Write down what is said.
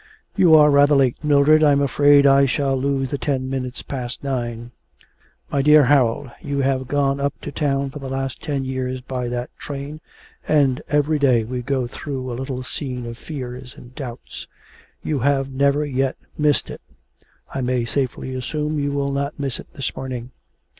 'You are rather late, Mildred. I am afraid I shall lose the ten minutes past nine.' 'My dear Harold, you have gone up to town for the last ten years by that train, and every day we go through a little scene of fears and doubts; you have never yet missed it, I may safely assume you will not miss it this morning.'